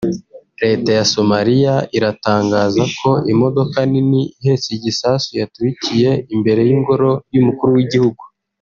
Leta ya Somaliya iratangaza ko imodoka nini ihetse igisasu yaturikiye imbere y’Ingoro y’umukuru w’igihugu